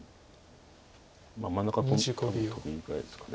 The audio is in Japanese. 真ん中トビぐらいですか。